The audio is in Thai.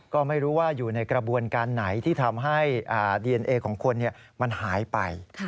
ก็ไม่รู้ว่าอยู่ในกระบวนการไหนที่ทำให้ดีเอนเอของคนมันหายไป